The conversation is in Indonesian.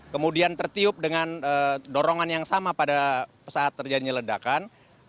kemudian tertiup dengan dorongan yang sama pada saat terjadinya ledakan